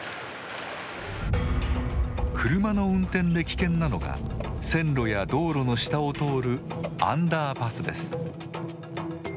車の運転で危険なのが線路や道路の下を通るアンダーパスです。